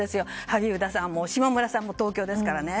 萩生田さんも下村さんも東京ですからね。